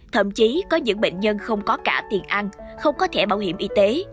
thậm chí có những bệnh nhân không có cả tiền ăn không có thẻ bảo hiểm y tế